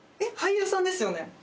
俳優さんですよね？